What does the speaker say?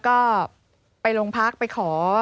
ก็ไปโรงพักไปขอ